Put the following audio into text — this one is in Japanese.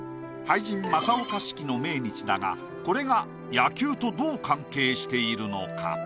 俳人正岡子規の命日だがこれが野球とどう関係しているのか？